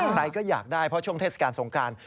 ใครก็อยากได้เพราะช่วงเทศกาลสงคราน